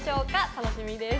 楽しみです。